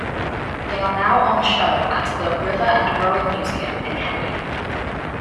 They are now on show at the River and Rowing Museum in Henley.